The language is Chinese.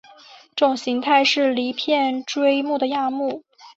这种形态都是离片锥目的亚目。